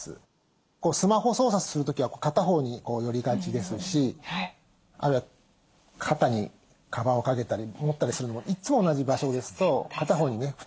スマホ操作する時は片方にこう寄りがちですしあるいは肩にカバンをかけたり持ったりするのもいつも同じ場所ですと片方にね負担がかかりますし。